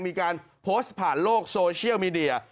มีการโพสต์ผ่านโลกโซเชียลมีเดีย